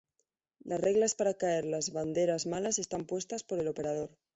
Las reglas para caer las banderas malas están puestas por el operador.